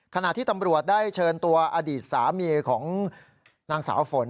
ขณะที่ตำรวจได้เชิญตัวอดีตสามีของนางสาวฝน